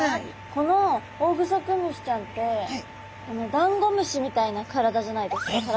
このオオグソクムシちゃんってダンゴムシみたいな体じゃないですか。